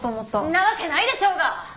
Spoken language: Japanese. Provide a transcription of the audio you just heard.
んなわけないでしょうが！